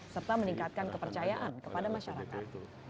serta meningkatkan kepercayaan kepada masyarakat